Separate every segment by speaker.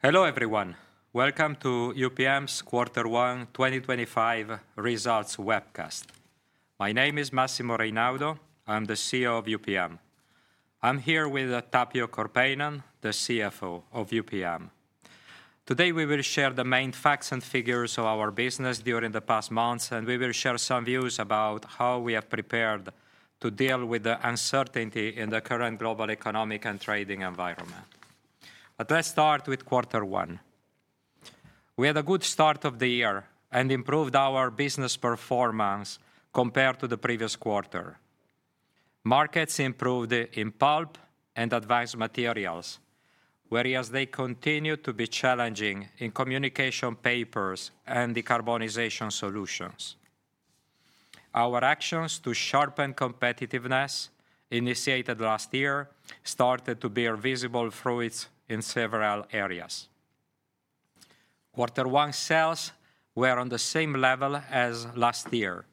Speaker 1: Hello everyone, Welcome to UPM's quarter one 2025 Results Webcast. My name is Massimo Reynaudo, I'm the CEO of UPM. I'm here with Tapio Korpeinen, the CFO of UPM. Today we will share the main facts and figures of our business during the past months, and we will share some views about how we have prepared to deal with the uncertainty in the current global economic and trading environment. Let's start with quarter one. We had a good start of the year and improved our business performance compared to the previous quarter. Markets improved in pulp and advanced materials, whereas they continued to be challenging in communication papers and decarbonisation solutions. Our actions to sharpen competitiveness initiated last year started to bear visible fruits in several areas. Quarter one sales were on the same level as last year.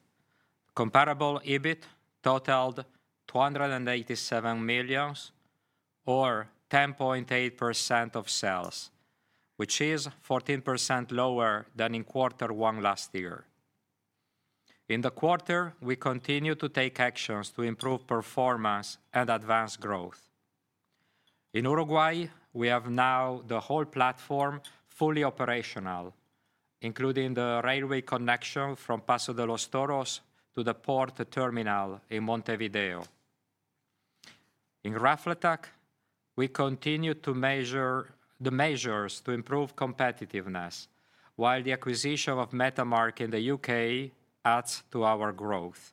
Speaker 1: Comparable EBIT totalled 287 million or 10.8% of sales, which is 14% lower than in quarter one last year. In the quarter, we continue to take actions to improve performance and advance growth. In Uruguay, we have now the whole platform fully operational, including the railway connection from Paso de los Toros to the port terminal in Montevideo. In Raflatac, we continue the measures to improve competitiveness, while the acquisition of Metamark in the U.K. adds to our growth.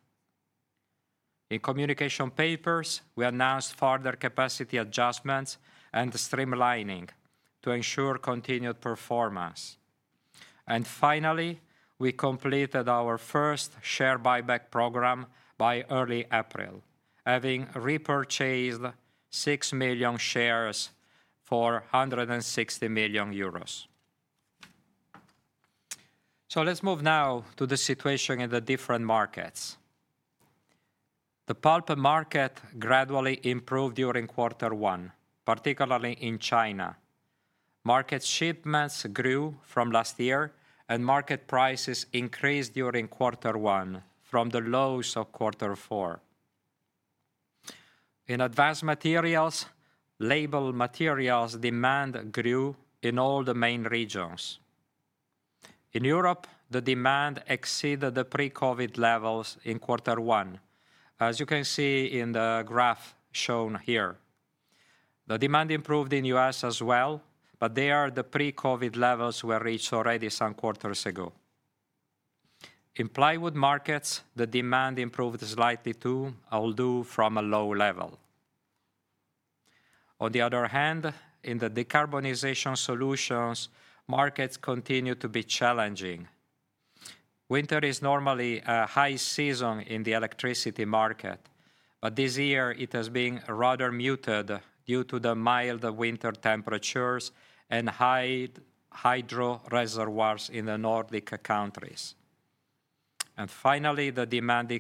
Speaker 1: In communication papers, we announced further capacity adjustments and streamlining to ensure continued performance. Finally, we completed our first share buyback program by early April, having repurchased 6 million shares for EUR 160 million. Let's move now to the situation in the different markets. The pulp market gradually improved during quarter one, particularly in China. Market shipments grew from last year, and market prices increased during quarter one from the lows of quarter four. In advanced materials, label materials demand grew in all the main regions. In Europe, the demand exceeded the pre-COVID levels in quarter one, as you can see in the graph shown here. The demand improved in the U.S. as well, but they are the pre-COVID levels we reached already some quarters ago. In plywood markets, the demand improved slightly too, although from a low level. On the other hand, in the decarbonisation solutions, markets continue to be challenging. Winter is normally a high season in the electricity market, but this year it has been rather muted due to the mild winter temperatures and high hydro reservoirs in the Nordic countries. Finally, the demand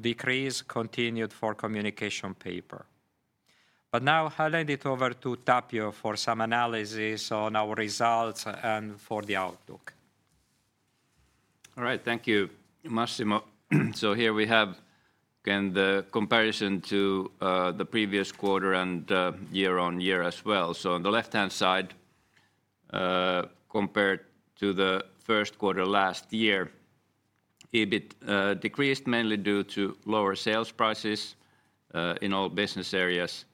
Speaker 1: decrease continued for communication paper. Now I'll hand it over to Tapio for some analysis on our results and for the outlook.
Speaker 2: All right, thank you, Massimo. Here we have the comparison to the previous quarter and year on year as well. On the left-hand side, compared to the first quarter last year, EBIT decreased mainly due to lower sales prices in all business areas.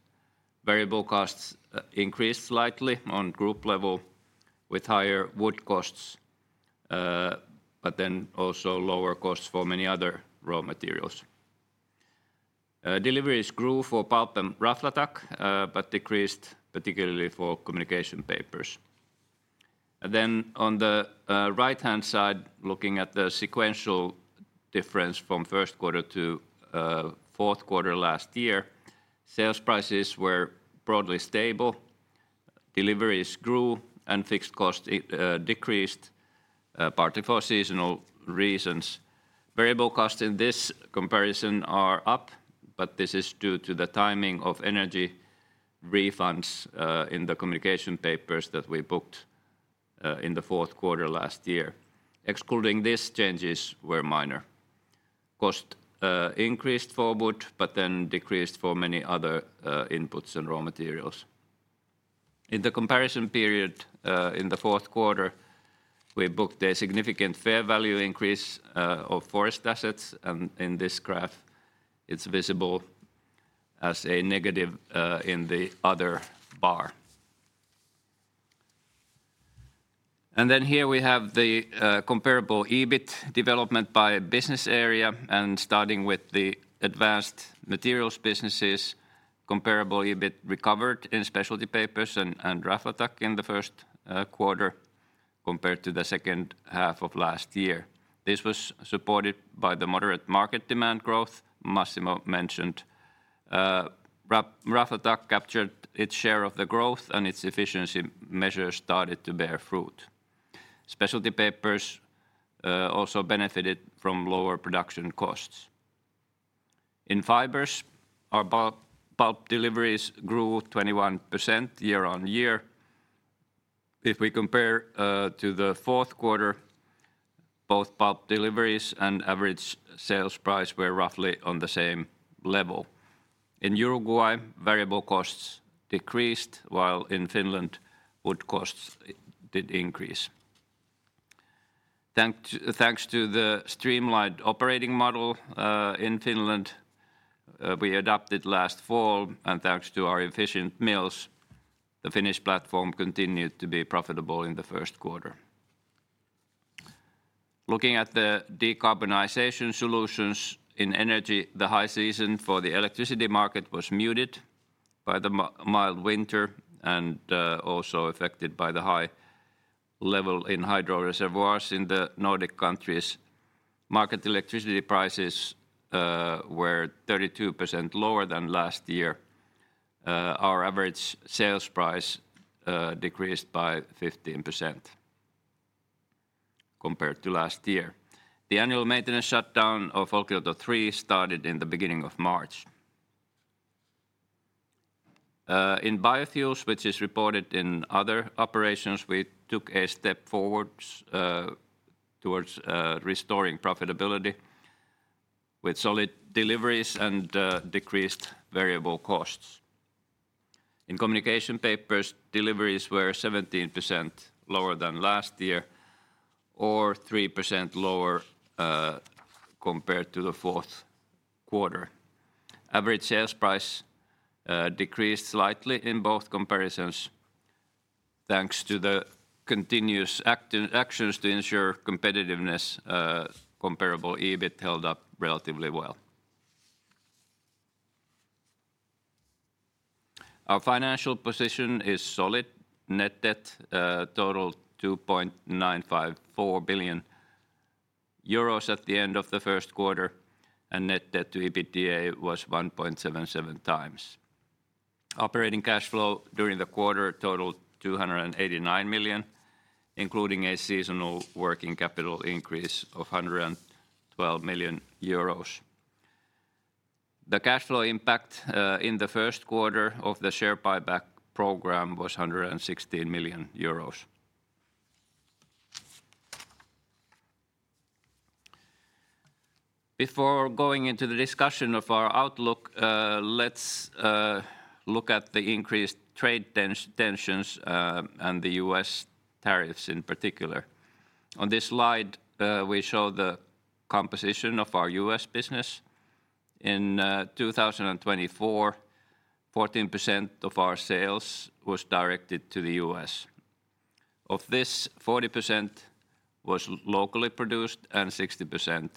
Speaker 2: Variable costs increased slightly on group level with higher wood costs, but also lower costs for many other raw materials. Deliveries grew for pulp and Raflatac, but decreased particularly for communication papers. On the right-hand side, looking at the sequential difference from first quarter to fourth quarter last year, sales prices were broadly stable. Deliveries grew and fixed costs decreased partly for seasonal reasons. Variable costs in this comparison are up, but this is due to the timing of energy refunds in the communication papers that we booked in the fourth quarter last year. Excluding this, changes were minor. Cost increased for wood, but then decreased for many other inputs and raw materials. In the comparison period in the fourth quarter, we booked a significant fair value increase of forest assets, and in this graph, it's visible as a negative in the other bar. Here we have the comparable EBIT development by business area, and starting with the advanced materials businesses, comparable EBIT recovered in specialty papers and Raflatac in the first quarter compared to the second half of last year. This was supported by the moderate market demand growth Massimo mentioned. Raflatac captured its share of the growth, and its efficiency measures started to bear fruit. Specialty papers also benefited from lower production costs. In fibres, our pulp deliveries grew 21% year on year. If we compare to the fourth quarter, both pulp deliveries and average sales price were roughly on the same level. In Uruguay, variable costs decreased, while in Finland, wood costs did increase. Thanks to the streamlined operating model in Finland, we adopted last fall, and thanks to our efficient mills, the Finnish platform continued to be profitable in the first quarter. Looking at the decarbonisation solutions in energy, the high season for the electricity market was muted by the mild winter and also affected by the high level in hydro reservoirs in the Nordic countries. Market electricity prices were 32% lower than last year. Our average sales price decreased by 15% compared to last year. The annual maintenance shutdown of Olkiluoto 3 started in the beginning of March. In biofuels, which is reported in other operations, we took a step forward towards restoring profitability with solid deliveries and decreased variable costs. In communication papers, deliveries were 17% lower than last year or 3% lower compared to the fourth quarter. Average sales price decreased slightly in both comparisons thanks to the continuous actions to ensure competitiveness. Comparable EBIT held up relatively well. Our financial position is solid. Net debt totaled 2.954 billion euros at the end of the first quarter, and net debt to EBITDA was 1.77 times. Operating cash flow during the quarter totaled 289 million, including a seasonal working capital increase of 112 million euros. The cash flow impact in the first quarter of the share buyback program was 116 million euros. Before going into the discussion of our outlook, let's look at the increased trade tensions and the U.S. tariffs in particular. On this slide, we show the composition of our U.S. business. In 2024, 14% of our sales was directed to the U.S. Of this, 40% was locally produced and 60%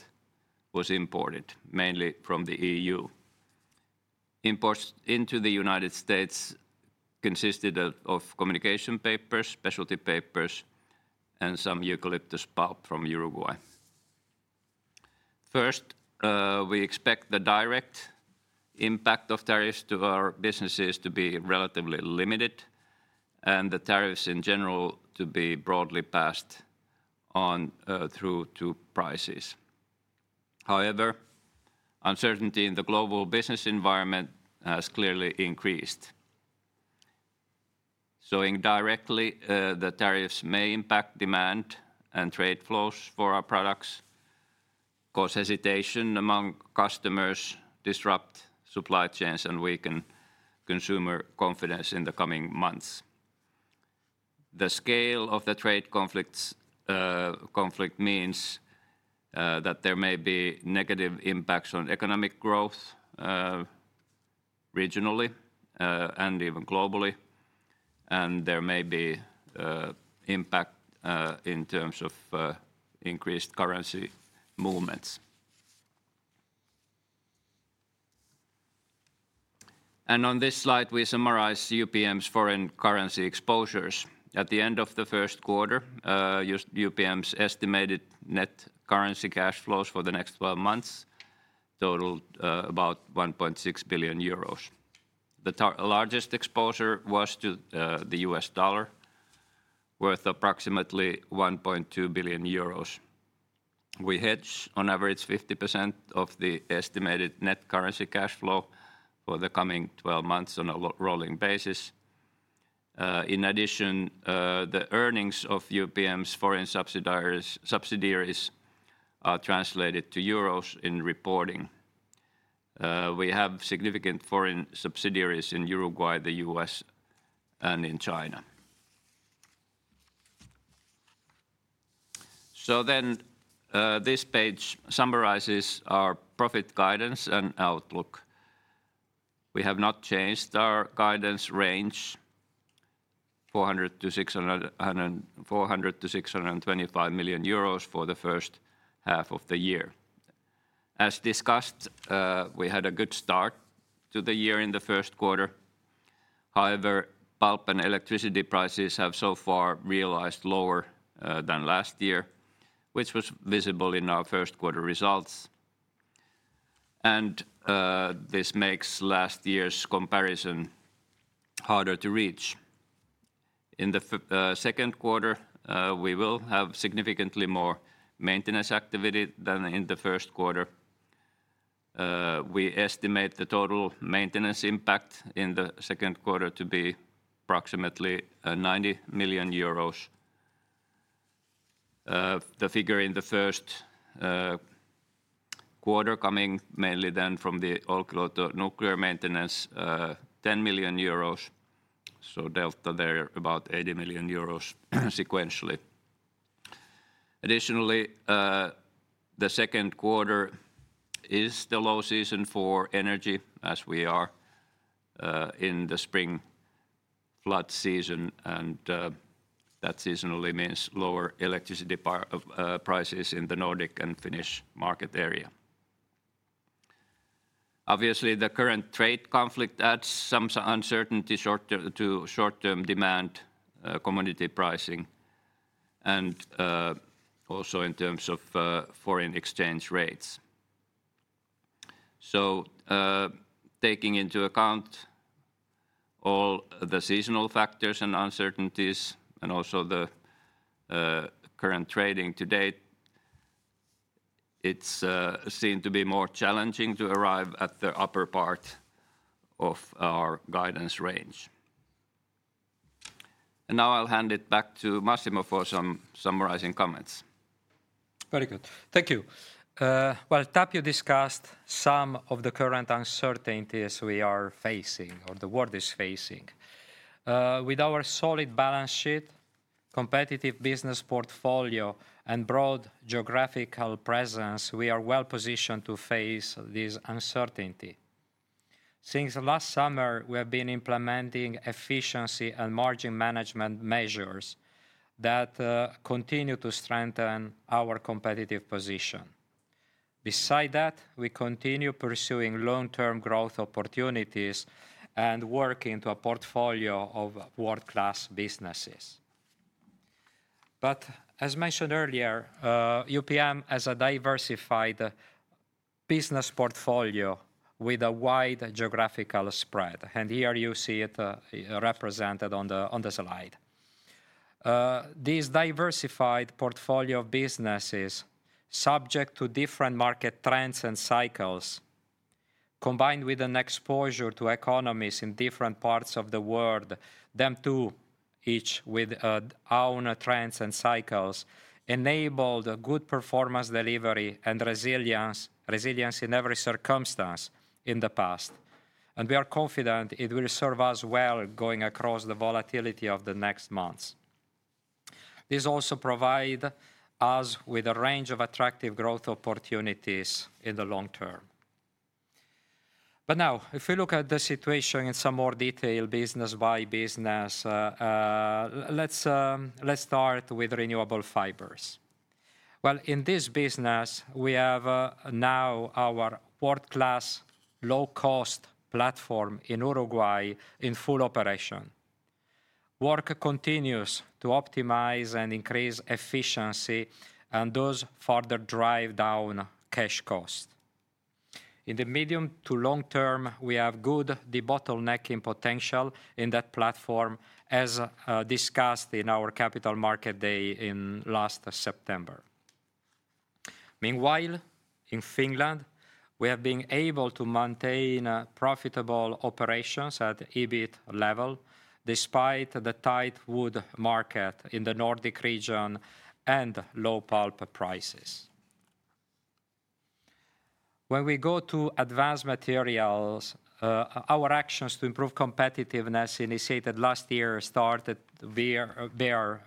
Speaker 2: was imported, mainly from the E.U. Imports into the United States consisted of communication papers, specialty papers, and some eucalyptus pulp from Uruguay. First, we expect the direct impact of tariffs to our businesses to be relatively limited and the tariffs in general to be broadly passed on through to prices. However, uncertainty in the global business environment has clearly increased. Indirectly, the tariffs may impact demand and trade flows for our products, cause hesitation among customers, disrupt supply chains, and weaken consumer confidence in the coming months. The scale of the trade conflict means that there may be negative impacts on economic growth regionally and even globally, and there may be impact in terms of increased currency movements. On this slide, we summarize UPM's foreign currency exposures. At the end of the first quarter, UPM's estimated net currency cash flows for the next 12 months totaled about 1.6 billion euros. The largest exposure was to the U.S. dollar, worth approximately 1.2 billion euros. We hedge on average 50% of the estimated net currency cash flow for the coming 12 months on a rolling basis. In addition, the earnings of UPM's foreign subsidiaries are translated to euros in reporting. We have significant foreign subsidiaries in Uruguay, the U.S., and in China. This page summarises our profit guidance and outlook. We have not changed our guidance range, 400 million-625 million euros for the first half of the year. As discussed, we had a good start to the year in the first quarter. However, pulp and electricity prices have so far realised lower than last year, which was visible in our first quarter results. This makes last year's comparison harder to reach. In the second quarter, we will have significantly more maintenance activity than in the first quarter. We estimate the total maintenance impact in the second quarter to be approximately EUR 90 million. The figure in the first quarter coming mainly then from the Olkiluoto nuclear maintenance, 10 million euros. Delta there about 80 million euros sequentially. Additionally, the second quarter is the low season for energy, as we are in the spring flood season, and that seasonally means lower electricity prices in the Nordic and Finnish market area. Obviously, the current trade conflict adds some uncertainty to short-term demand, commodity pricing, and also in terms of foreign exchange rates. Taking into account all the seasonal factors and uncertainties, and also the current trading to date, it is seen to be more challenging to arrive at the upper part of our guidance range. I will hand it back to Massimo for some summarising comments.
Speaker 1: Very good. Thank you. Tapio discussed some of the current uncertainties we are facing or the world is facing. With our solid balance sheet, competitive business portfolio, and broad geographical presence, we are well positioned to face this uncertainty. Since last summer, we have been implementing efficiency and margin management measures that continue to strengthen our competitive position. Beside that, we continue pursuing long-term growth opportunities and working to a portfolio of world-class businesses. As mentioned earlier, UPM has a diversified business portfolio with a wide geographical spread, and here you see it represented on the slide. This diversified portfolio of businesses, subject to different market trends and cycles, combined with an exposure to economies in different parts of the world, them too, each with our own trends and cycles, enabled good performance delivery and resilience in every circumstance in the past. We are confident it will serve us well going across the volatility of the next months. This also provides us with a range of attractive growth opportunities in the long term. Now, if we look at the situation in some more detail, business by business, let's start with renewable fibres. In this business, we have now our world-class low-cost platform in Uruguay in full operation. Work continues to optimise and increase efficiency, and those further drive down cash costs. In the medium to long term, we have good debottlenecking potential in that platform, as discussed in our capital market day in last September. Meanwhile, in Finland, we have been able to maintain profitable operations at EBIT level despite the tight wood market in the Nordic region and low pulp prices. When we go to advanced materials, our actions to improve competitiveness initiated last year started to be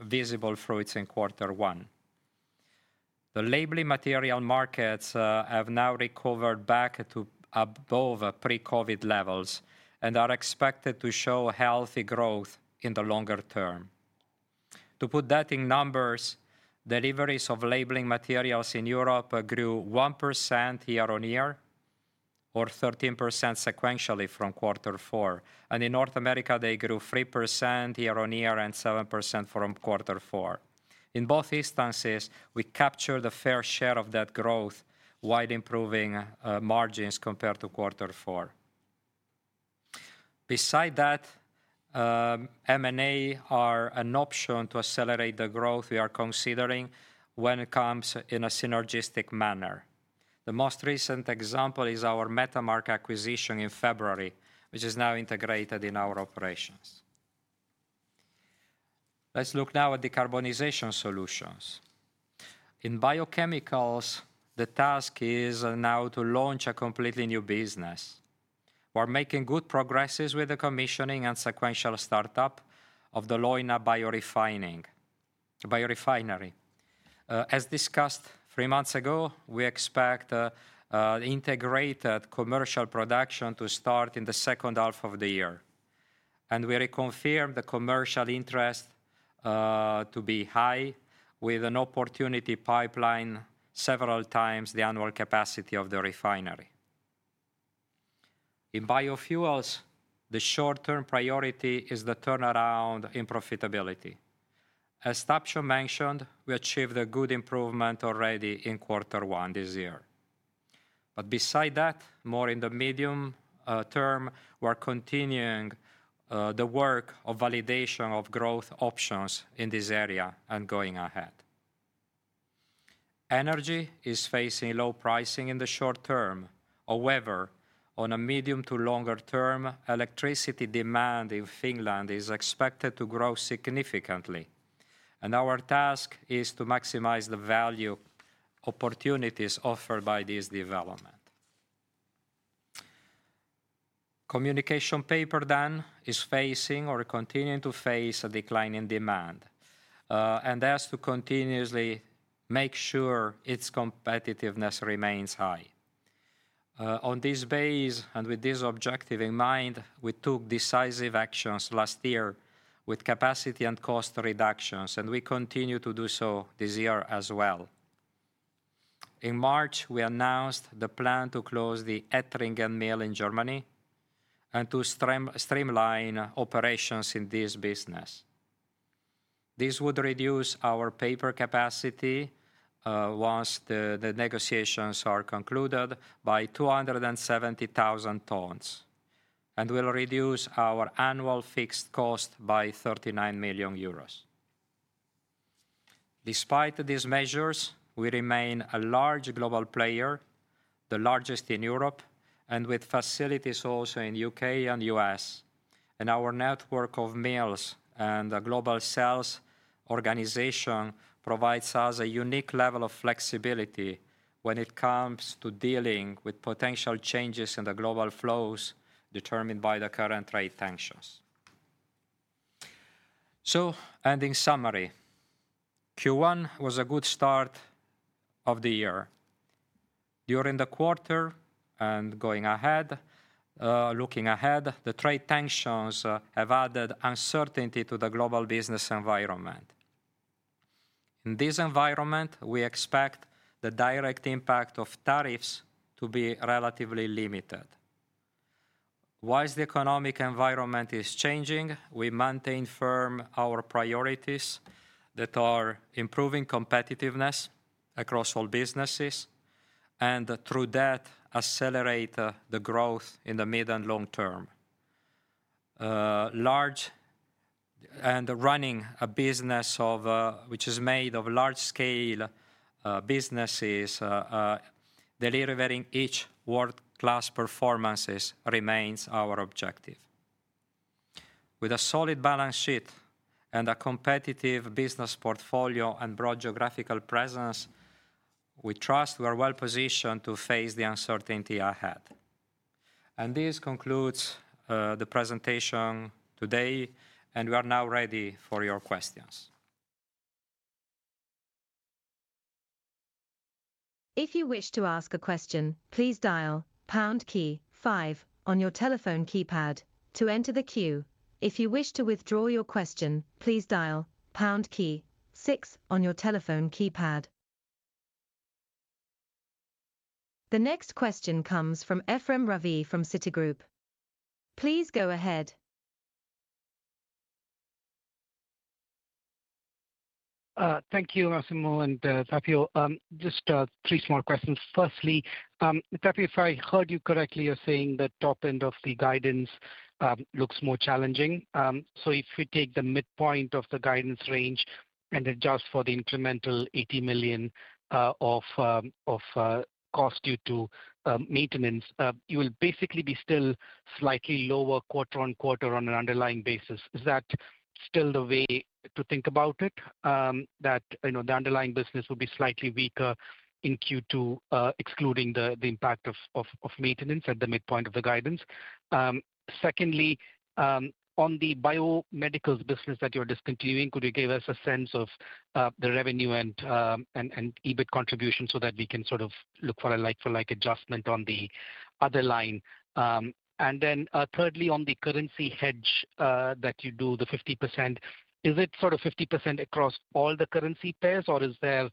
Speaker 1: visible through this in quarter one. The labelling material markets have now recovered back to above pre-COVID levels and are expected to show healthy growth in the longer term. To put that in numbers, deliveries of labelling materials in Europe grew 1% year on year or 13% sequentially from quarter four. In North America, they grew 3% year on year and 7% from quarter four. In both instances, we captured a fair share of that growth, while improving margins compared to quarter four. Beside that, M&A are an option to accelerate the growth we are considering when it comes in a synergistic manner. The most recent example is our Metamark acquisition in February, which is now integrated in our operations. Let's look now at decarbonisation solutions. In biochemicals, the task is now to launch a completely new business. We're making good progress with the commissioning and sequential startup of the Leuna Biorefinery. As discussed three months ago, we expect integrated commercial production to start in the second half of the year. We reconfirmed the commercial interest to be high with an opportunity pipeline several times the annual capacity of the refinery. In biofuels, the short-term priority is the turnaround in profitability. As Tapio mentioned, we achieved a good improvement already in quarter one this year. Beside that, more in the medium term, we're continuing the work of validation of growth options in this area and going ahead. Energy is facing low pricing in the short term. However, on a medium to longer term, electricity demand in Finland is expected to grow significantly. Our task is to maximize the value opportunities offered by this development. Communication paper then is facing or continuing to face a decline in demand and has to continuously make sure its competitiveness remains high. On this base and with this objective in mind, we took decisive actions last year with capacity and cost reductions, and we continue to do so this year as well. In March, we announced the plan to close the Ettringen mill in Germany and to streamline operations in this business. This would reduce our paper capacity once the negotiations are concluded by 270,000 tonnes and will reduce our annual fixed cost by 39 million euros. Despite these measures, we remain a large global player, the largest in Europe, and with facilities also in the U.K. and U.S. Our network of mills and a global sales organization provides us a unique level of flexibility when it comes to dealing with potential changes in the global flows determined by the current trade tensions. In summary, Q1 was a good start of the year. During the quarter and looking ahead, the trade tensions have added uncertainty to the global business environment. In this environment, we expect the direct impact of tariffs to be relatively limited. Whilst the economic environment is changing, we maintain firm our priorities that are improving competitiveness across all businesses and through that accelerate the growth in the mid and long term. Running a business which is made of large-scale businesses, delivering each world-class performances, remains our objective. With a solid balance sheet and a competitive business portfolio and broad geographical presence, we trust we are well positioned to face the uncertainty ahead. This concludes the presentation today, and we are now ready for your questions.
Speaker 3: If you wish to ask a question, please dial pound key five on your telephone keypad to enter the queue. If you wish to withdraw your question, please dial pound key six on your telephone keypad. The next question comes from Ephrem Ravi from Citigroup. Please go ahead.
Speaker 4: Thank you, Massimo and Tapio. Just three small questions. Firstly, Tapio, if I heard you correctly, you're saying the top end of the guidance looks more challenging. If we take the midpoint of the guidance range and adjust for the incremental 80 million of cost due to maintenance, you will basically be still slightly lower quarter on quarter on an underlying basis. Is that still the way to think about it, that the underlying business will be slightly weaker in Q2, excluding the impact of maintenance at the midpoint of the guidance? Secondly, on the biochemicals business that you're discontinuing, could you give us a sense of the revenue and EBIT contribution so that we can sort of look for a like-for-like adjustment on the other line? Thirdly, on the currency hedge that you do, the 50%, is it sort of 50% across all the currency pairs, or is there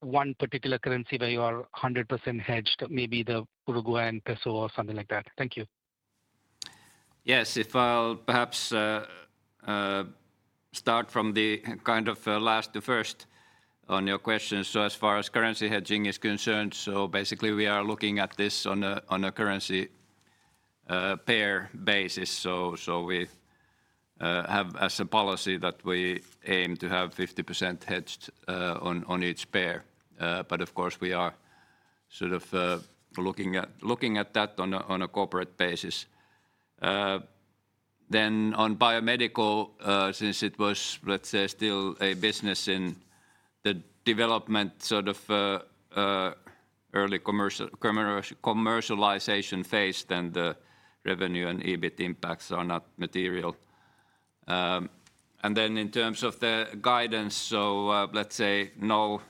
Speaker 4: one particular currency where you are 100% hedged, maybe the Uruguayan peso or something like that? Thank you.
Speaker 2: Yes, if I'll perhaps start from the kind of last to first on your question. As far as currency hedging is concerned, basically we are looking at this on a currency pair basis. We have as a policy that we aim to have 50% hedged on each pair. Of course, we are sort of looking at that on a corporate basis. On biochemicals, since it was, let's say, still a business in the development sort of early commercialisation phase, the revenue and EBIT impacts are not material. In terms of the guidance, let's say no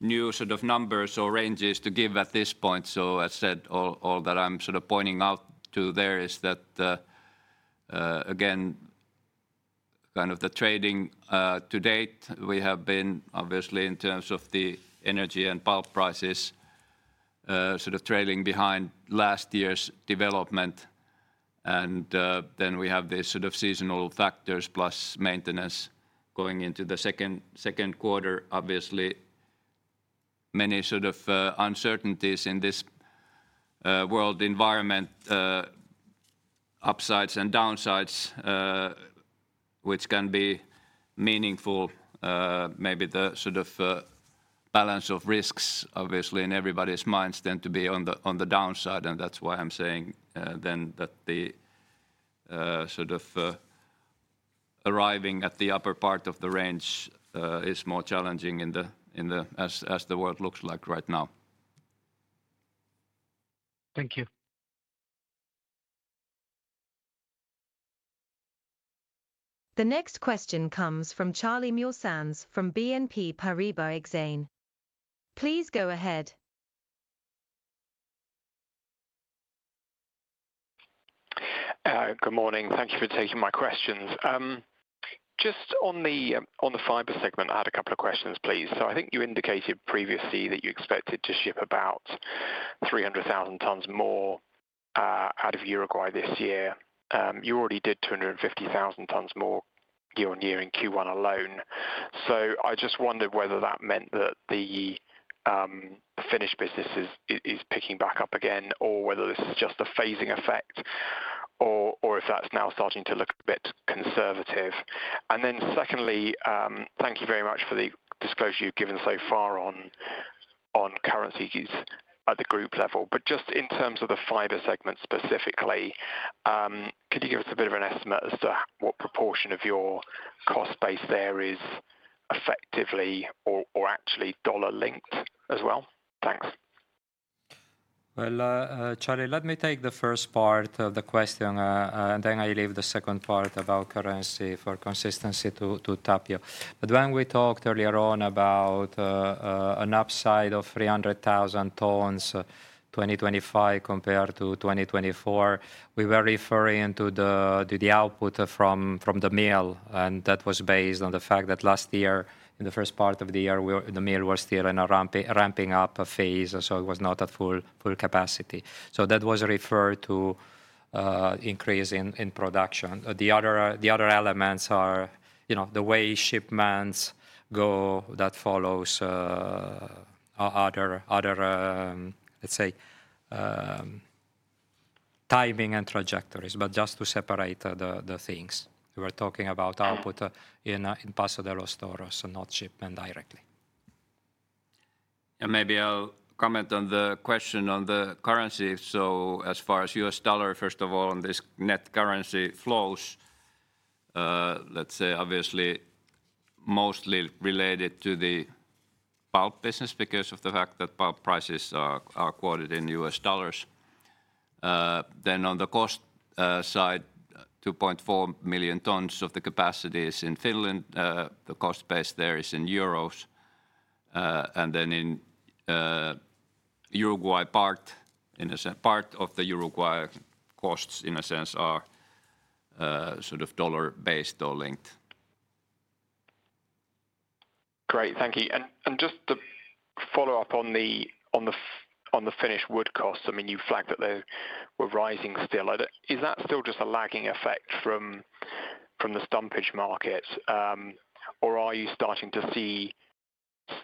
Speaker 2: new sort of numbers or ranges to give at this point. As said, all that I'm sort of pointing out to there is that, again, kind of the trading to date, we have been obviously in terms of the energy and pulp prices sort of trailing behind last year's development. Then we have these sort of seasonal factors plus maintenance going into the second quarter, obviously many sort of uncertainties in this world environment, upsides and downsides, which can be meaningful. Maybe the sort of balance of risks, obviously in everybody's minds tend to be on the downside. That's why I'm saying then that the sort of arriving at the upper part of the range is more challenging as the world looks like right now.
Speaker 4: Thank you.
Speaker 3: The next question comes from Charlie Muir-Sands from BNP Paribas Exane. Please go ahead.
Speaker 5: Good morning. Thank you for taking my questions. Just on the fibre segment, I had a couple of questions, please. I think you indicated previously that you expected to ship about 300,000 tonnes more out of Uruguay this year. You already did 250,000 tonnes more year on year in Q1 alone. I just wondered whether that meant that the Finnish business is picking back up again or whether this is just a phasing effect or if that's now starting to look a bit conservative. Secondly, thank you very much for the disclosure you've given so far on currencies at the group level. Just in terms of the fibre segment specifically, could you give us a bit of an estimate as to what proportion of your cost base there is effectively or actually dollar-linked as well? Thanks.
Speaker 1: Charlie, let me take the first part of the question, and then I leave the second part about currency for consistency to Tapio. When we talked earlier on about an upside of 300,000 tonnes 2025 compared to 2024, we were referring to the output from the mill. That was based on the fact that last year, in the first part of the year, the mill was still in a ramping up phase, so it was not at full capacity. That was referred to increase in production. The other elements are the way shipments go that follows other, let's say, timing and trajectories. Just to separate the things, we were talking about output in Paso de los Toros and not shipment directly.
Speaker 2: Yeah, maybe I'll comment on the question on the currency. As far as U.S. dollar, first of all, on this net currency flows, let's say, obviously mostly related to the pulp business because of the fact that pulp prices are quoted in U.S. dollars. On the cost side, 2.4 million tonnes of the capacity is in Finland. The cost base there is in euros. In Uruguay, part of the Uruguay costs, in a sense, are sort of dollar-based or linked.
Speaker 5: Great, thank you. Just to follow up on the Finnish wood costs, I mean, you flagged that they were rising still. Is that still just a lagging effect from the stumpage market, or are you starting to see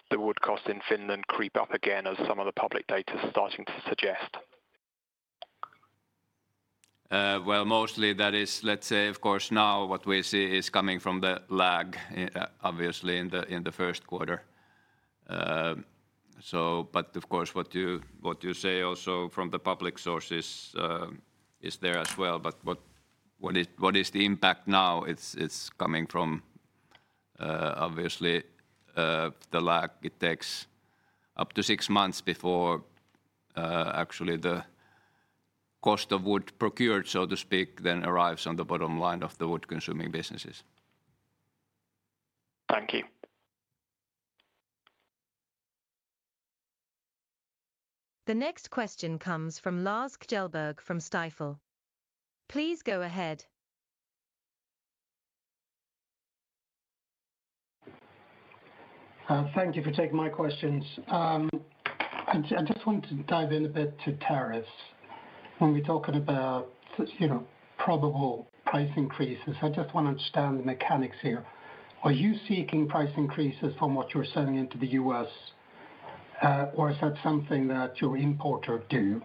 Speaker 5: the wood costs in Finland creep up again as some of the public data is starting to suggest?
Speaker 2: Mostly that is, let's say, of course, now what we see is coming from the lag, obviously, in the first quarter. Of course, what you say also from the public sources is there as well. What is the impact now? It's coming from, obviously, the lag. It takes up to six months before actually the cost of wood procured, so to speak, then arrives on the bottom line of the wood-consuming businesses.
Speaker 5: Thank you.
Speaker 3: The next question comes from Lars Kjellberg from Stifel. Please go ahead.
Speaker 6: Thank you for taking my questions. I just wanted to dive in a bit to tariffs. When we're talking about probable price increases, I just want to understand the mechanics here. Are you seeking price increases from what you're selling into the U.S., or is that something that your importer does?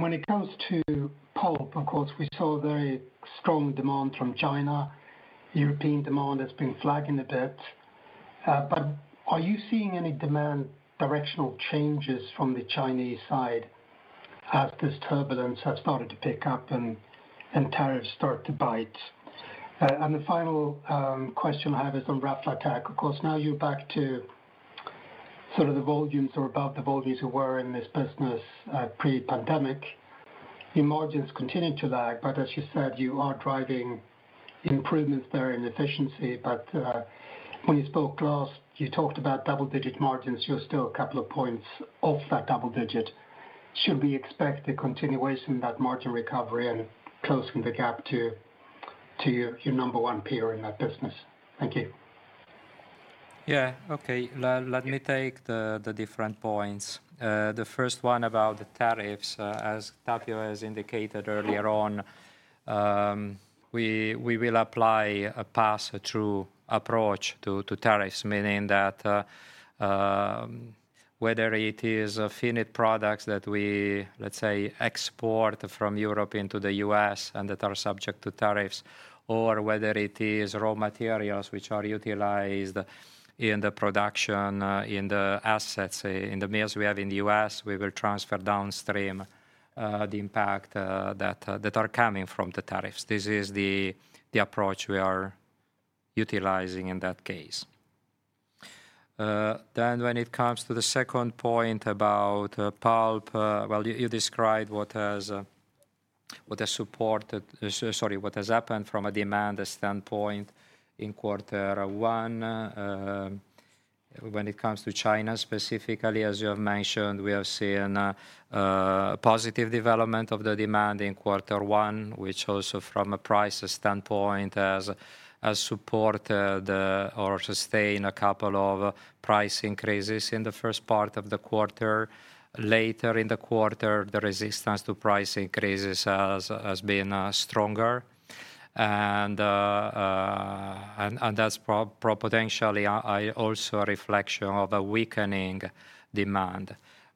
Speaker 6: When it comes to pulp, of course, we saw very strong demand from China. European demand has been flagging a bit. Are you seeing any demand directional changes from the Chinese side as this turbulence has started to pick up and tariffs start to bite? The final question I have is on Raflatac. Of course, now you're back to sort of the volumes or about the volumes you were in this business pre-pandemic. Your margins continue to lag, but as you said, you are driving improvements there in efficiency. When you spoke last, you talked about double-digit margins. You're still a couple of points off that double digit. Should we expect a continuation of that margin recovery and closing the gap to your number one peer in that business? Thank you.
Speaker 1: Yeah, okay. Let me take the different points. The first one about the tariffs, as Tapio has indicated earlier on, we will apply a pass-through approach to tariffs, meaning that whether it is finished products that we, let's say, export from Europe into the U.S. and that are subject to tariffs, or whether it is raw materials which are utilized in the production, in the assets, in the mills we have in the U.S., we will transfer downstream the impact that are coming from the tariffs. This is the approach we are utilizing in that case. When it comes to the second point about pulp, you described what has supported, sorry, what has happened from a demand standpoint in quarter one. When it comes to China specifically, as you have mentioned, we have seen positive development of the demand in quarter one, which also from a price standpoint has supported or sustained a couple of price increases in the first part of the quarter. Later in the quarter, the resistance to price increases has been stronger. That is potentially also a reflection of a weakening demand.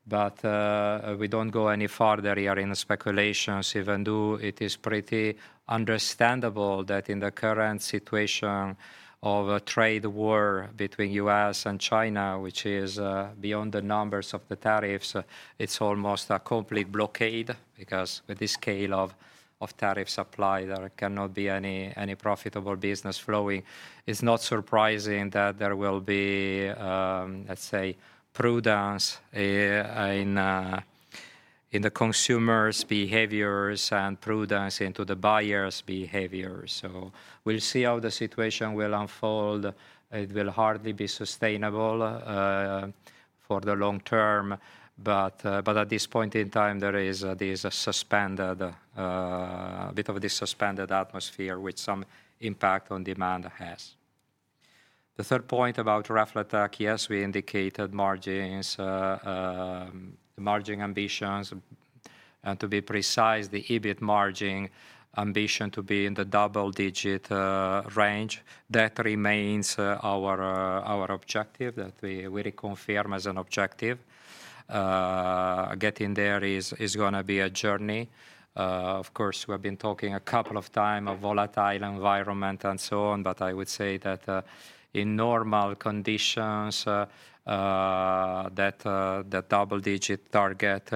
Speaker 1: We do not go any farther here in speculations, even though it is pretty understandable that in the current situation of a trade war between the U.S. and China, which is beyond the numbers of the tariffs, it is almost a complete blockade because with the scale of tariff supply, there cannot be any profitable business flowing. It is not surprising that there will be, let's say, prudence in the consumers' behaviors and prudence into the buyers' behaviors. We will see how the situation will unfold. It will hardly be sustainable for the long term. At this point in time, there is a bit of this suspended atmosphere, which some impact on demand has. The third point about Raflatac, yes, we indicated margins, margin ambitions. To be precise, the EBIT margin ambition to be in the double-digit range. That remains our objective that we reconfirm as an objective. Getting there is going to be a journey. Of course, we have been talking a couple of times of volatile environment and so on, but I would say that in normal conditions, that double-digit target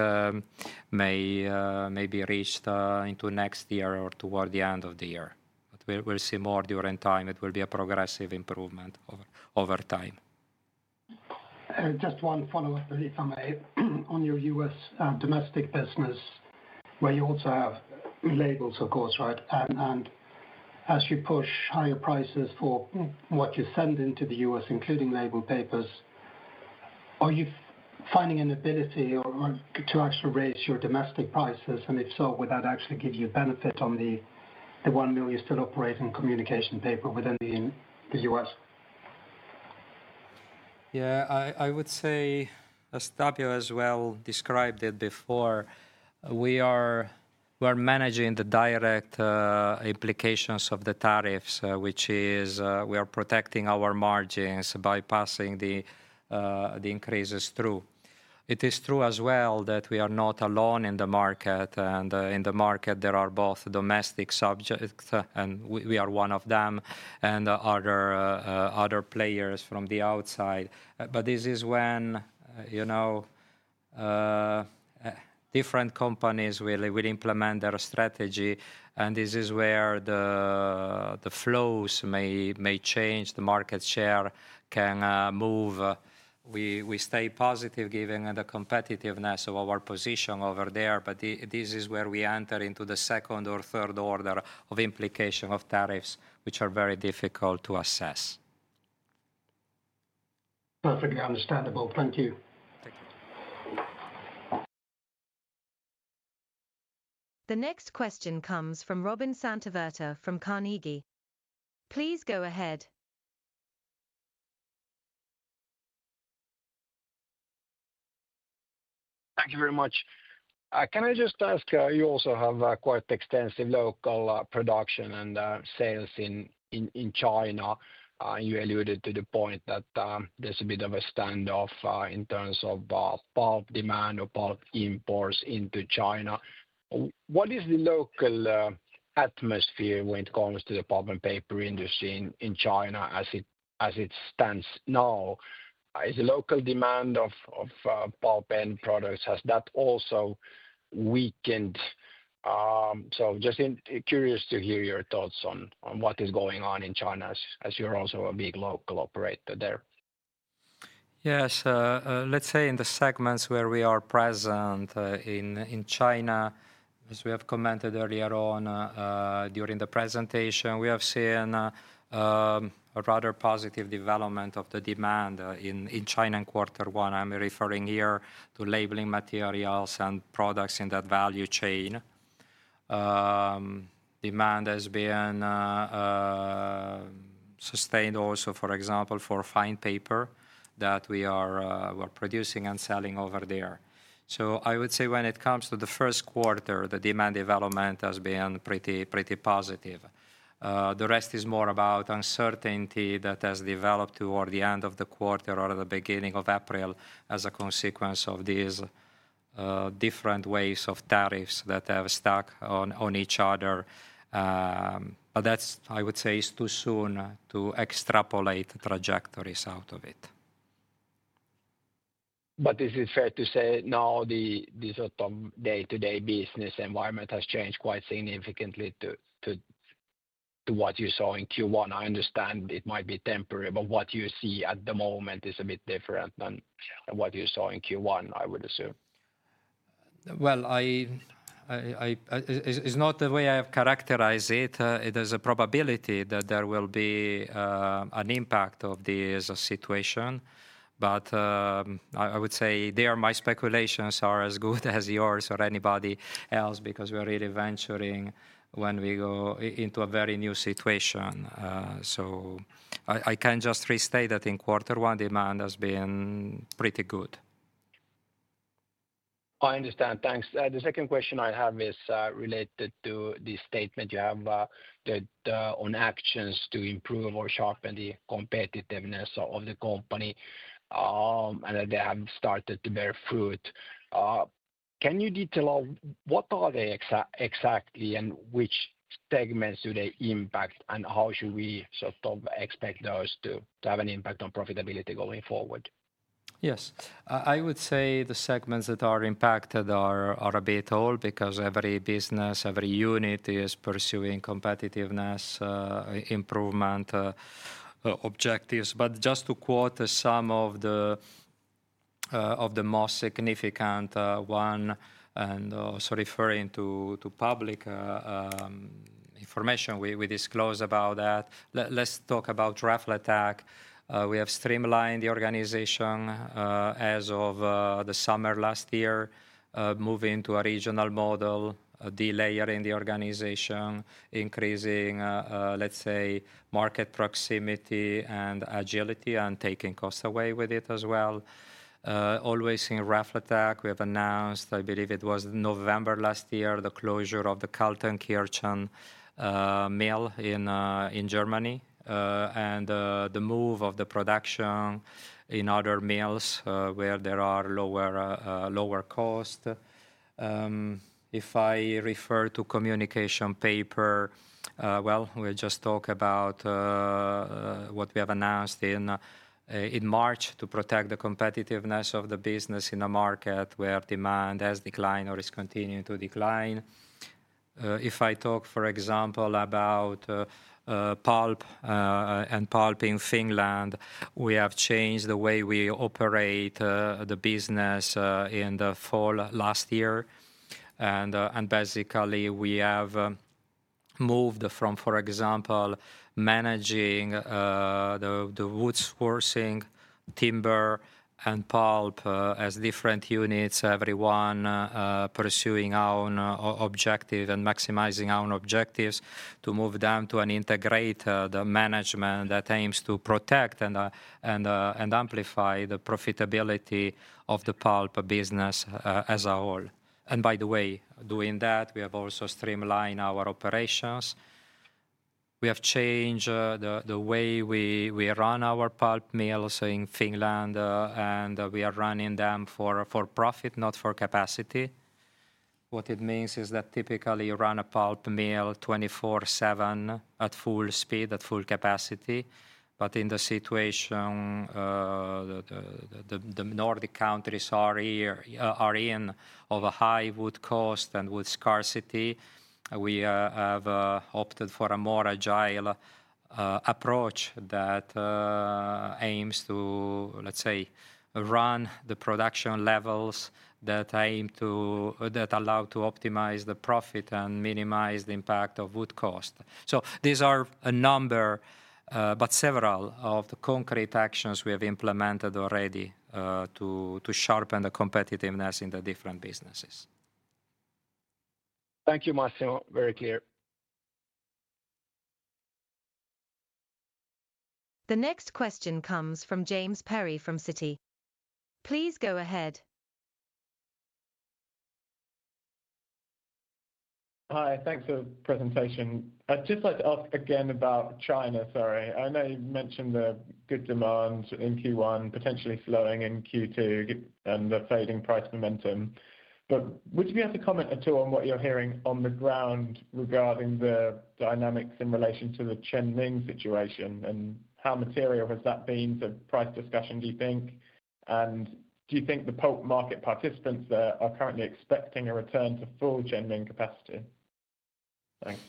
Speaker 1: may be reached into next year or toward the end of the year. We will see more during time. It will be a progressive improvement over time.
Speaker 6: Just one follow-up, if I may, on your U.S. domestic business, where you also have labels, of course, right? As you push higher prices for what you send into the U.S., including label papers, are you finding an ability to actually raise your domestic prices? If so, would that actually give you benefit on the one million still operating communication paper within the U.S.?
Speaker 1: Yeah, I would say, as Tapio as well described it before, we are managing the direct implications of the tariffs, which is we are protecting our margins by passing the increases through. It is true as well that we are not alone in the market. In the market, there are both domestic subjects, and we are one of them, and other players from the outside. This is when different companies will implement their strategy. This is where the flows may change. The market share can move. We stay positive, given the competitiveness of our position over there. This is where we enter into the second or third order of implication of tariffs, which are very difficult to assess.
Speaker 6: Perfectly understandable. Thank you.
Speaker 1: Thank you.
Speaker 3: The next question comes from Robin Santavirta from Carnegie. Please go ahead.
Speaker 7: Thank you very much. Can I just ask, you also have quite extensive local production and sales in China. You alluded to the point that there's a bit of a standoff in terms of pulp demand or pulp imports into China. What is the local atmosphere when it comes to the pulp and paper industry in China as it stands now? Is the local demand of pulp and products, has that also weakened? Just curious to hear your thoughts on what is going on in China as you're also a big local operator there.
Speaker 1: Yes. Let's say in the segments where we are present in China, as we have commented earlier on during the presentation, we have seen a rather positive development of the demand in China in quarter one. I'm referring here to labeling materials and products in that value chain. Demand has been sustained also, for example, for fine paper that we are producing and selling over there. I would say when it comes to the first quarter, the demand development has been pretty positive. The rest is more about uncertainty that has developed toward the end of the quarter or the beginning of April as a consequence of these different ways of tariffs that have stacked on each other. That, I would say, is too soon to extrapolate the trajectories out of it.
Speaker 7: Is it fair to say now the sort of day-to-day business environment has changed quite significantly to what you saw in Q1? I understand it might be temporary, but what you see at the moment is a bit different than what you saw in Q1, I would assume.
Speaker 1: It is not the way I have characterized it. It is a probability that there will be an impact of this situation. I would say there my speculations are as good as yours or anybody else because we're really venturing when we go into a very new situation. I can just restate that in quarter one, demand has been pretty good.
Speaker 7: I understand. Thanks. The second question I have is related to the statement you have on actions to improve or sharpen the competitiveness of the company and that they have started to bear fruit. Can you detail what are they exactly and which segments do they impact and how should we sort of expect those to have an impact on profitability going forward?
Speaker 1: Yes. I would say the segments that are impacted are a bit all because every business, every unit is pursuing competitiveness improvement objectives. Just to quote some of the most significant ones and also referring to public information we disclose about that, let's talk about Raflatac. We have streamlined the organization as of the summer last year, moving to a regional model, delayering the organization, increasing, let's say, market proximity and agility and taking costs away with it as well. Always in Raflatac, we have announced, I believe it was November last year, the closure of the Kaltenkirchen mill in Germany and the move of the production in other mills where there are lower costs. If I refer to communication paper, we just talk about what we have announced in March to protect the competitiveness of the business in a market where demand has declined or is continuing to decline. If I talk, for example, about pulp and pulp in Finland, we have changed the way we operate the business in the fall last year. Basically, we have moved from, for example, managing the wood sourcing, timber, and pulp as different units, everyone pursuing our own objective and maximizing our own objectives to move down to an integrated management that aims to protect and amplify the profitability of the pulp business as a whole. By the way, doing that, we have also streamlined our operations. We have changed the way we run our pulp mills in Finland, and we are running them for profit, not for capacity. What it means is that typically you run a pulp mill 24/7 at full speed, at full capacity. In the situation the Nordic countries are in of a high wood cost and wood scarcity, we have opted for a more agile approach that aims to, let's say, run the production levels that allow to optimize the profit and minimize the impact of wood cost. These are a number, but several of the concrete actions we have implemented already to sharpen the competitiveness in the different businesses.
Speaker 7: Thank you, Massimo. Very clear.
Speaker 3: The next question comes from James Perry from Citi. Please go ahead.
Speaker 8: Hi, thanks for the presentation. I'd just like to ask again about China, sorry. I know you mentioned the good demand in Q1, potentially slowing in Q2, and the fading price momentum. Would you be able to comment at all on what you're hearing on the ground regarding the dynamics in relation to the Chenming situation? How material has that been to price discussion, do you think? Do you think the pulp market participants are currently expecting a return to full Chenming capacity? Thanks.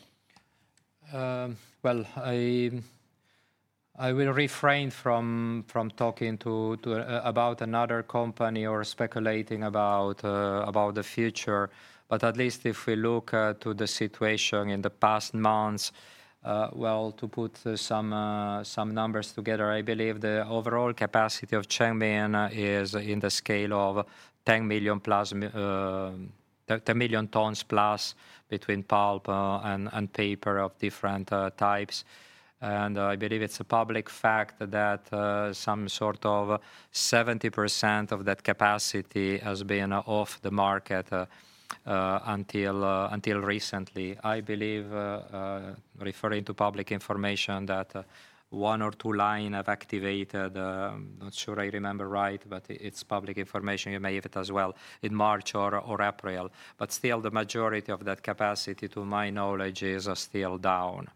Speaker 1: I will refrain from talking about another company or speculating about the future. At least if we look to the situation in the past months, to put some numbers together, I believe the overall capacity of Chenming is in the scale of 10 million tons plus between pulp and paper of different types. I believe it is a public fact that some sort of 70% of that capacity has been off the market until recently. I believe, referring to public information, that one or two lines have activated, not sure I remember right, but it is public information, you may have it as well, in March or April. Still, the majority of that capacity, to my knowledge, is still down.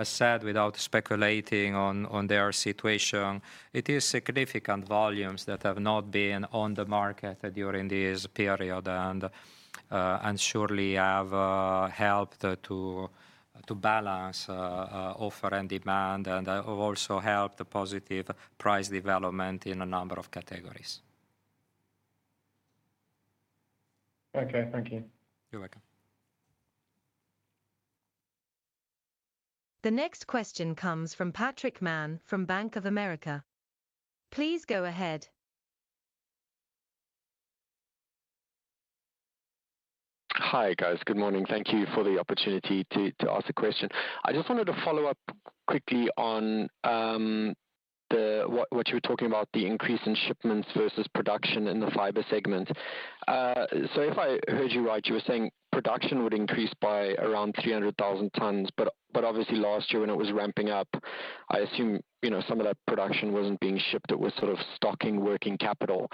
Speaker 1: As said, without speculating on their situation, it is significant volumes that have not been on the market during this period and surely have helped to balance offer and demand and have also helped the positive price development in a number of categories.
Speaker 8: Okay, thank you.
Speaker 1: You're welcome.
Speaker 3: The next question comes from Patrick Mann from Bank of America. Please go ahead.
Speaker 9: Hi guys, good morning. Thank you for the opportunity to ask the question. I just wanted to follow up quickly on what you were talking about, the increase in shipments versus production in the fiber segment. If I heard you right, you were saying production would increase by around 300,000 tons. Obviously last year when it was ramping up, I assume some of that production was not being shipped. It was sort of stocking working capital.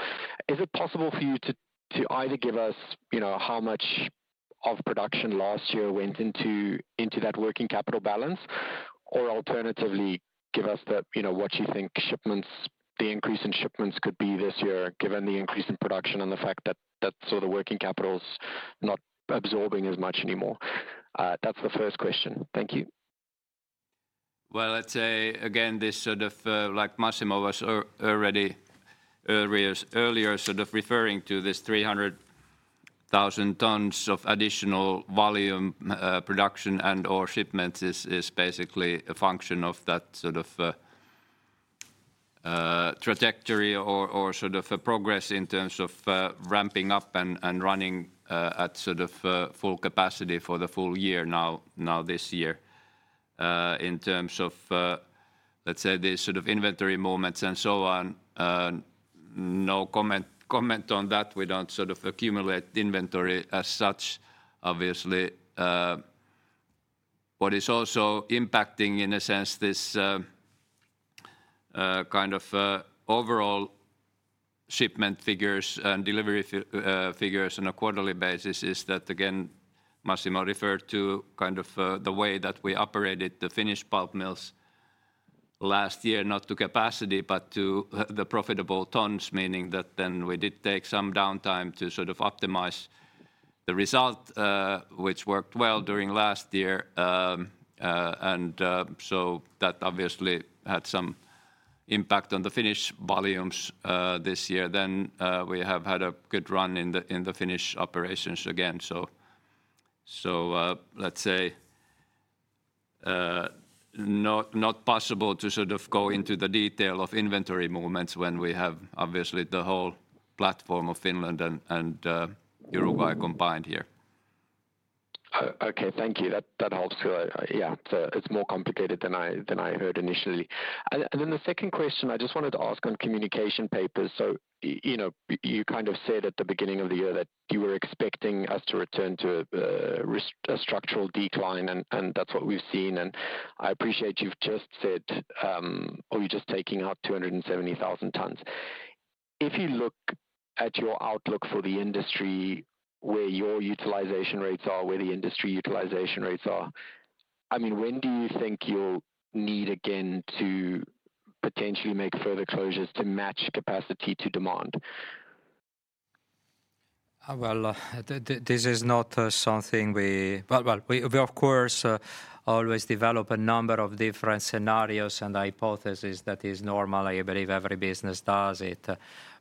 Speaker 9: Is it possible for you to either give us how much of production last year went into that working capital balance, or alternatively give us what you think the increase in shipments could be this year, given the increase in production and the fact that sort of the working capital is not absorbing as much anymore? That is the first question. Thank you.
Speaker 2: Let's say again, this sort of, like Massimo was already earlier sort of referring to this 300,000 tons of additional volume production and/or shipments is basically a function of that sort of trajectory or sort of progress in terms of ramping up and running at sort of full capacity for the full year now this year. In terms of, let's say, these sort of inventory moments and so on, no comment on that. We don't sort of accumulate inventory as such, obviously. What is also impacting in a sense this kind of overall shipment figures and delivery figures on a quarterly basis is that, again, Massimo referred to kind of the way that we operated the finished pulp mills last year, not to capacity, but to the profitable tons, meaning that then we did take some downtime to sort of optimize the result, which worked well during last year. That obviously had some impact on the finished volumes this year. We have had a good run in the finished operations again. Let's say not possible to sort of go into the detail of inventory movements when we have obviously the whole platform of Finland and Uruguay combined here.
Speaker 9: Okay, thank you. That helps too. Yeah, it's more complicated than I heard initially. The second question I just wanted to ask on communication papers. You kind of said at the beginning of the year that you were expecting us to return to a structural decline, and that's what we've seen. I appreciate you've just said, or you're just taking out 270,000 tons. If you look at your outlook for the industry, where your utilization rates are, where the industry utilization rates are, I mean, when do you think you'll need again to potentially make further closures to match capacity to demand?
Speaker 1: This is not something we, of course, always develop a number of different scenarios and hypotheses. That is normal. I believe every business does it.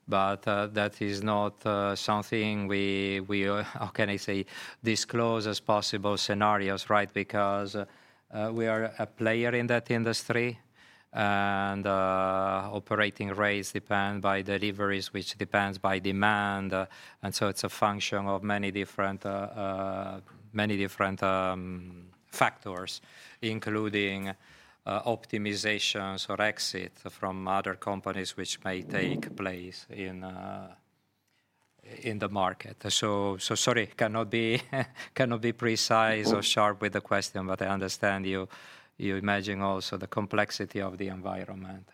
Speaker 1: That is not something we, how can I say, disclose as possible scenarios, right? We are a player in that industry and operating rates depend by deliveries, which depends by demand. It is a function of many different factors, including optimizations or exits from other companies, which may take place in the market. Sorry, cannot be precise or sharp with the question, but I understand you imagine also the complexity of the environment.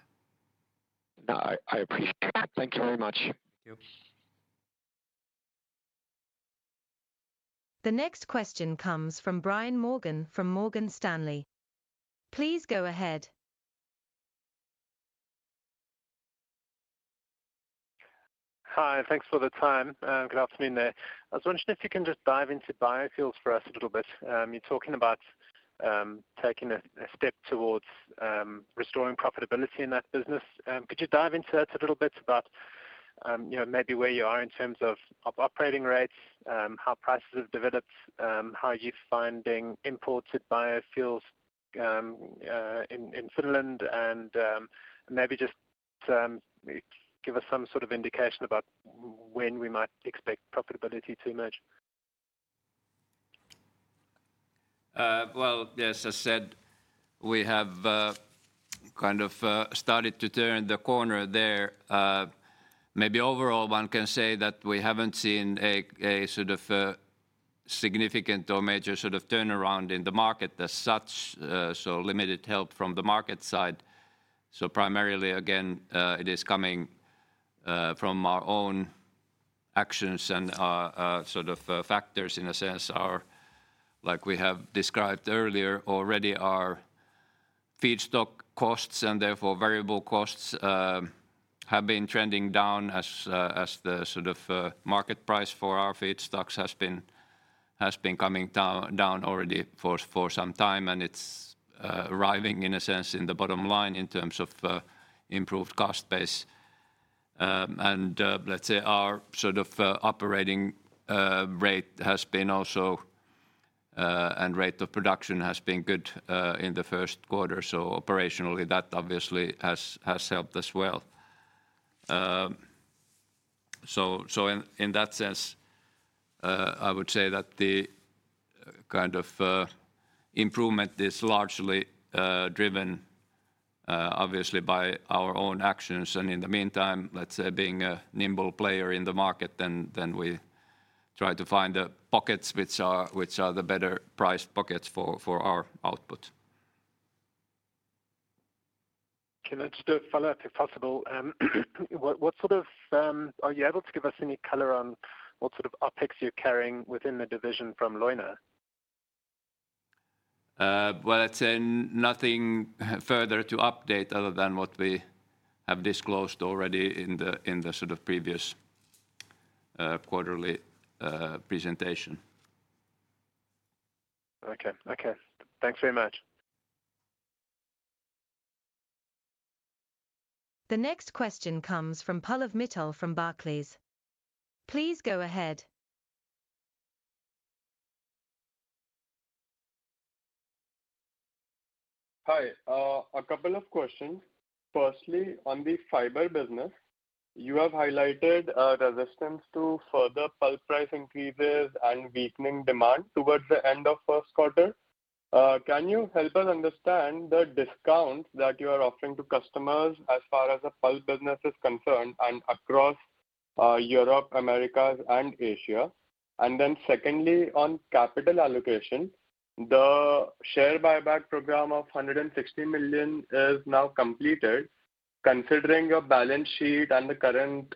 Speaker 9: No, I appreciate it. Thank you very much.
Speaker 1: Thank you.
Speaker 3: The next question comes from Brian Morgan from Morgan Stanley. Please go ahead.
Speaker 10: Hi, thanks for the time. Good afternoon there. I was wondering if you can just dive into biofuels for us a little bit. You're talking about taking a step towards restoring profitability in that business. Could you dive into that a little bit about maybe where you are in terms of operating rates, how prices have developed, how you're finding imported biofuels in Finland, and maybe just give us some sort of indication about when we might expect profitability to emerge?
Speaker 2: Yes, as I said, we have kind of started to turn the corner there. Maybe overall, one can say that we haven't seen a sort of significant or major sort of turnaround in the market as such, so limited help from the market side. Primarily, again, it is coming from our own actions and sort of factors in a sense, like we have described earlier already, our feedstock costs and therefore variable costs have been trending down as the sort of market price for our feedstocks has been coming down already for some time. It is arriving in a sense in the bottom line in terms of improved cost base. Let's say our sort of operating rate has been also, and rate of production has been good in the first quarter. Operationally, that obviously has helped as well. In that sense, I would say that the kind of improvement is largely driven obviously by our own actions. In the meantime, let's say being a nimble player in the market, we try to find the pockets which are the better priced pockets for our output.
Speaker 10: Okay, let's do a follow-up, if possible. What sort of, are you able to give us any color on what sort of upticks you're carrying within the division from Leuna?
Speaker 2: Let's say nothing further to update other than what we have disclosed already in the sort of previous quarterly presentation.
Speaker 10: Okay, okay. Thanks very much.
Speaker 3: The next question comes from Pallav Mittal from Barclays. Please go ahead.
Speaker 11: Hi, a couple of questions. Firstly, on the fiber business, you have highlighted resistance to further pulp price increases and weakening demand towards the end of first quarter. Can you help us understand the discounts that you are offering to customers as far as the pulp business is concerned and across Europe, America, and Asia? Secondly, on capital allocation, the share buyback program of 160 million is now completed. Considering your balance sheet and the current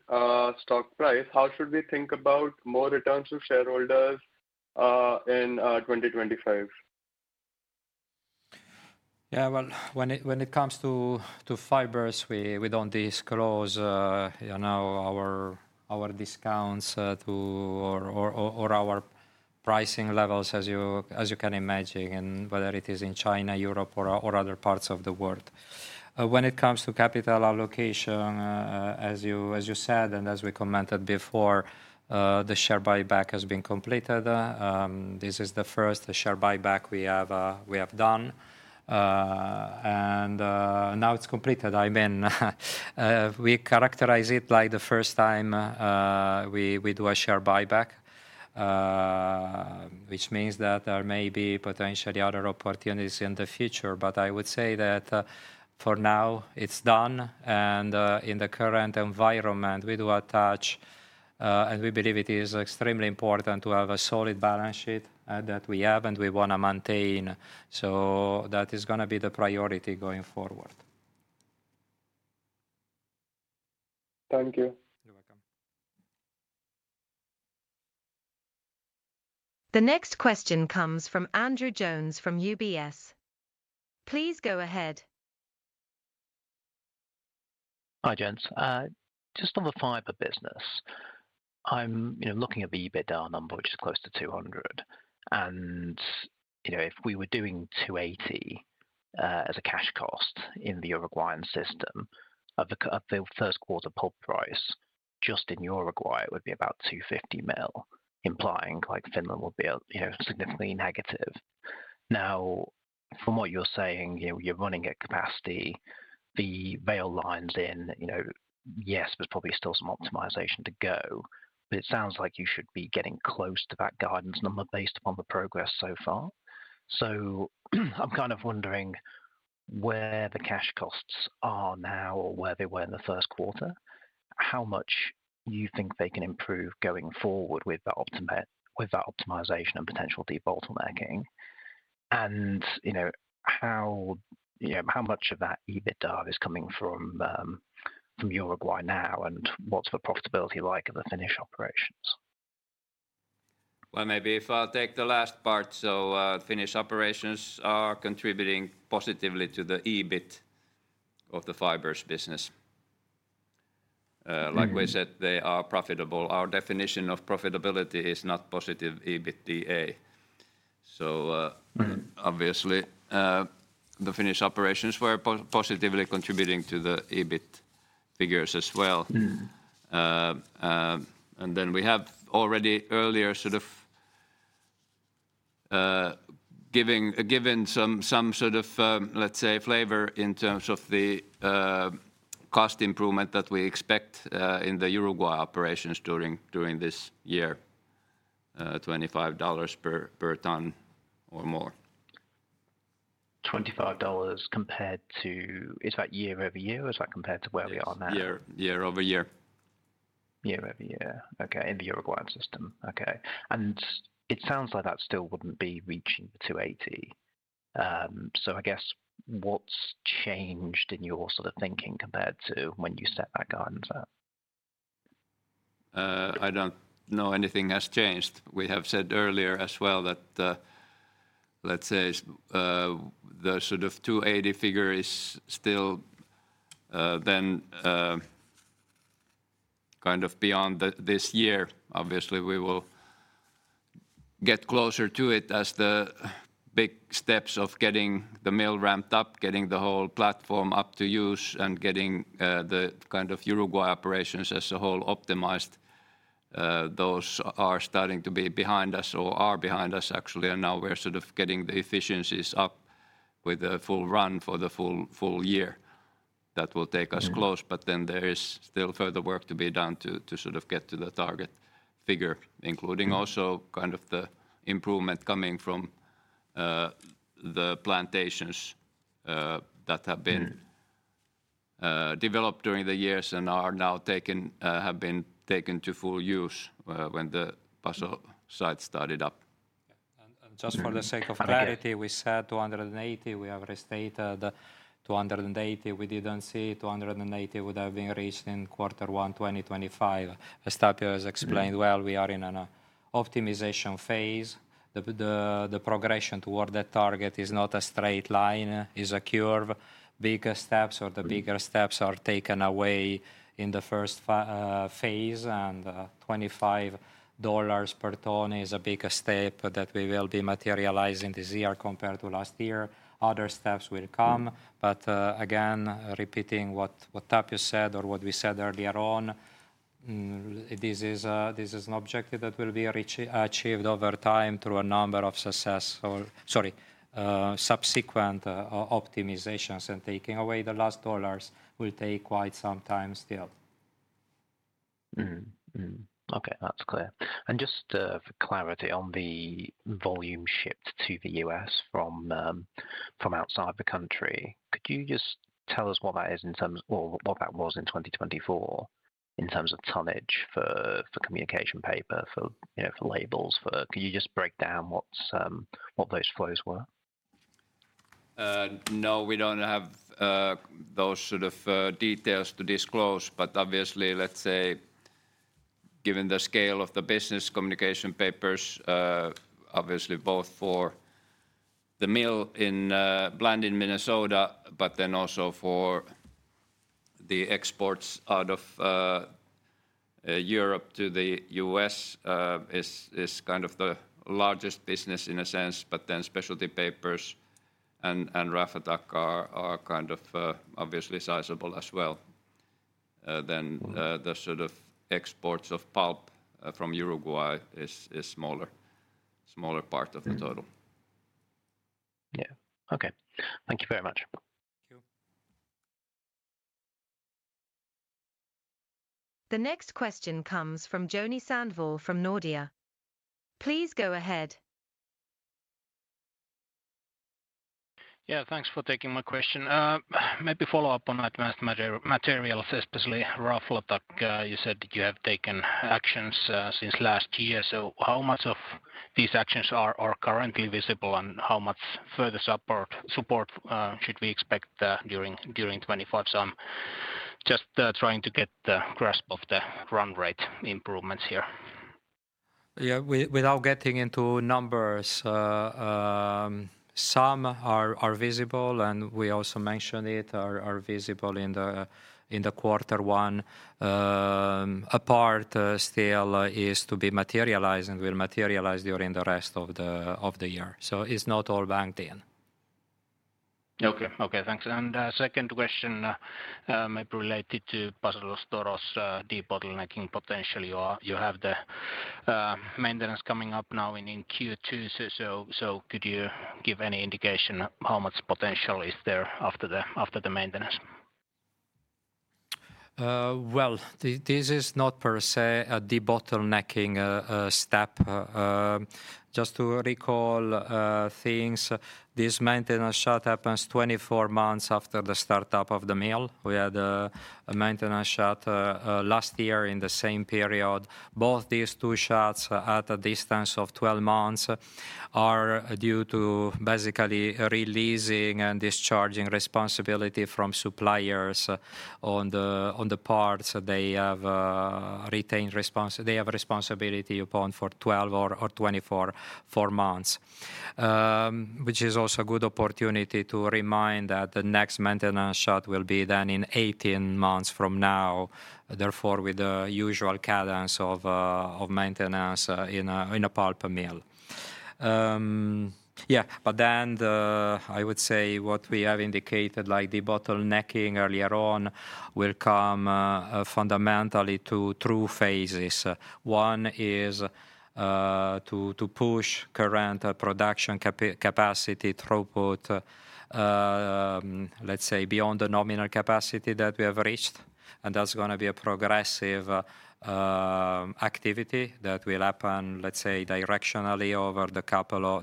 Speaker 11: stock price, how should we think about more returns to shareholders in 2025?
Speaker 1: Yeah, well, when it comes to fibers, we don't disclose our discounts or our pricing levels, as you can imagine, whether it is in China, Europe, or other parts of the world. When it comes to capital allocation, as you said and as we commented before, the share buyback has been completed. This is the first share buyback we have done. Now it's completed, I mean. We characterize it like the first time we do a share buyback, which means that there may be potentially other opportunities in the future. I would say that for now, it's done. In the current environment, we do attach, and we believe it is extremely important to have a solid balance sheet that we have and we want to maintain. That is going to be the priority going forward.
Speaker 11: Thank you.
Speaker 1: You're welcome.
Speaker 3: The next question comes from Andrew Jones from UBS. Please go ahead.
Speaker 12: Hi Jones. Just on the fiber business, I'm looking at the EBITDA number, which is close to 200 million. And if we were doing 280 as a cash cost in the Uruguayan system of the first quarter pulp price, just in Uruguay, it would be about 250 million, implying like Finland would be significantly negative. Now, from what you're saying, you're running at capacity, the rail line's in, yes, there's probably still some optimization to go, but it sounds like you should be getting close to that guidance number based upon the progress so far. I'm kind of wondering where the cash costs are now or where they were in the first quarter, how much you think they can improve going forward with that optimization and potential default on that gain, and how much of that EBITDA is coming from Uruguay now and what's the profitability like of the finished operations?
Speaker 2: Maybe if I take the last part, finished operations are contributing positively to the EBIT of the fibres business. Like we said, they are profitable. Our definition of profitability is not positive EBITDA. Obviously, the finished operations were positively contributing to the EBIT figures as well. We have already earlier sort of given some sort of, let's say, flavor in terms of the cost improvement that we expect in the Uruguay operations during this year, $25 per ton or more.
Speaker 12: $25 compared to, is that year-over-year or is that compared to where we are now?
Speaker 2: Year-over-year.
Speaker 12: Year-over-year. Okay, in the Uruguayan system. Okay. It sounds like that still wouldn't be reaching 280. I guess what's changed in your sort of thinking compared to when you set that guidance up?
Speaker 2: I don't know anything has changed. We have said earlier as well that, let's say, the sort of 280 figure is still then kind of beyond this year. Obviously, we will get closer to it as the big steps of getting the mill ramped up, getting the whole platform up to use, and getting the kind of Uruguay operations as a whole optimized, those are starting to be behind us or are behind us actually. Now we're sort of getting the efficiencies up with a full run for the full year. That will take us close, but then there is still further work to be done to sort of get to the target figure, including also kind of the improvement coming from the plantations that have been developed during the years and are now taken, have been taken to full use when the basal site started up.
Speaker 1: Just for the sake of clarity, we said 280, we have restated 280, we did not see 280 would have been reached in quarter one 2025. As Tapio has explained well, we are in an optimization phase. The progression toward that target is not a straight line, it is a curve. Bigger steps or the bigger steps are taken away in the first phase. $25 per ton is a big step that we will be materializing this year compared to last year. Other steps will come. Repeating what Tapio said or what we said earlier on, this is an objective that will be achieved over time through a number of successful, sorry, subsequent optimizations. Taking away the last dollars will take quite some time still.
Speaker 12: Okay, that's clear. Just for clarity on the volume shipped to the U.S. from outside the country, could you just tell us what that is in terms of, or what that was in 2024 in terms of tonnage for communication paper, for labels? Could you just break down what those flows were?
Speaker 2: No, we don't have those sort of details to disclose. Obviously, let's say, given the scale of the business communication papers, obviously both for the mill in Blandin, Minnesota, but then also for the exports out of Europe to the US is kind of the largest business in a sense. Specialty papers and Raflatac are kind of obviously sizable as well. The sort of exports of pulp from Uruguay is a smaller part of the total.
Speaker 12: Yeah. Okay. Thank you very much.
Speaker 1: Thank you.
Speaker 3: The next question comes from Joni Sandvall from Nordea. Please go ahead.
Speaker 13: Yeah, thanks for taking my question. Maybe follow up on advanced materials, especially Raflatac. You said that you have taken actions since last year. How much of these actions are currently visible and how much further support should we expect during 2025? I am just trying to get the grasp of the run rate improvements here.
Speaker 1: Yeah, without getting into numbers, some are visible and we also mentioned it are visible in the quarter one. A part still is to be materialized and will materialize during the rest of the year. It is not all banked in.
Speaker 13: Okay, okay. Thanks. Second question may be related to Paso de los Toros' debottlenecking potential. You have the maintenance coming up now in Q2. Could you give any indication how much potential is there after the maintenance?
Speaker 1: This is not per se a debottlenecking step. Just to recall things, this maintenance shut happens 24 months after the startup of the mill. We had a maintenance shut last year in the same period. Both these two shuts at a distance of 12 months are due to basically releasing and discharging responsibility from suppliers on the parts. They have retained responsibility upon for 12 or 24 months, which is also a good opportunity to remind that the next maintenance shut will be then in 18 months from now, therefore with the usual cadence of maintenance in a pulp mill. Yeah, but I would say what we have indicated like debottlenecking earlier on will come fundamentally to two phases. One is to push current production capacity throughput, let's say beyond the nominal capacity that we have reached. That is going to be a progressive activity that will happen, let's say, directionally over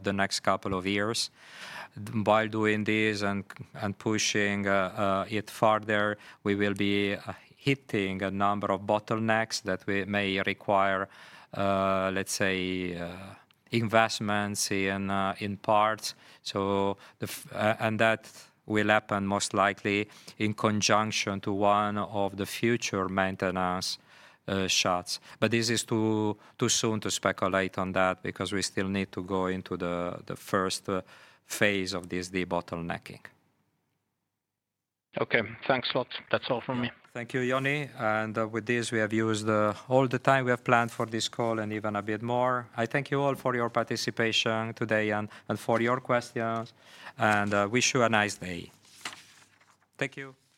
Speaker 1: the next couple of years. While doing this and pushing it further, we will be hitting a number of bottlenecks that may require, let's say, investments in parts. That will happen most likely in conjunction to one of the future maintenance shots. This is too soon to speculate on that because we still need to go into the first phase of this debottlenecking.
Speaker 13: Okay, thanks a lot. That's all from me.
Speaker 1: Thank you, Joni. With this, we have used all the time we have planned for this call and even a bit more. I thank you all for your participation today and for your questions. I wish you a nice day. Thank you.